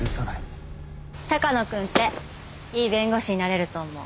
鷹野君っていい弁護士になれると思う。